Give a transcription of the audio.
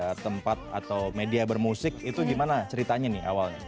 menggunakan alat alat bekas jadi tempat atau media bermusik itu gimana ceritanya nih awalnya